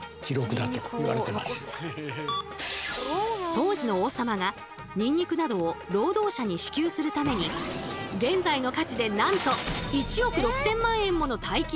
当時の王様がニンニクなどを労働者に支給するために現在の価値でなんと１億６千万円もの大金をつぎ込んだという話も。